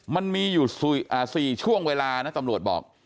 มันมีอยู่๔ช่วงเวลานะตำรวจบอก